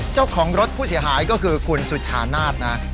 เจ้าของรถผู้เสียหายก็คือคุณสุชานาศนะ